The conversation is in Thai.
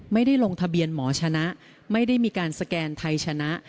ไม่ได้ลงทะเบียนหมอชนะไม่ได้มีการสแกนไทยชนะ